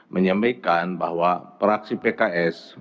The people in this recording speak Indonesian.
menyampaikan bahwa fraksi pks